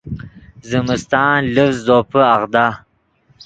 زمستان لڤز زوپے اغدا